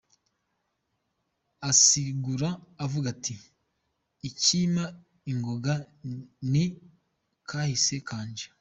Asigura avuga ati: "Ikimpa ingoga ni kahise kanje.